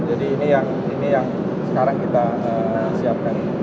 jadi ini yang sekarang kita siapkan